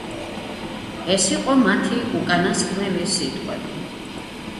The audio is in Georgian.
ეს იყო მათი უკანასკნელი სიტყვები.